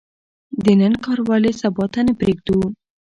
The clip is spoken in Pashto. د نن کار ولې سبا ته نه پریږدو؟